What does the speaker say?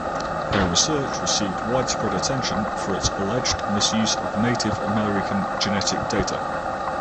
Her research received widespread attention for its alleged misuse of Native American genetic data.